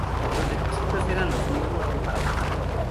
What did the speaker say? Los requisitos eran los mismos que para votar.